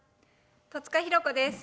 戸塚寛子です。